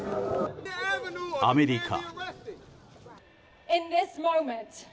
アメリカ。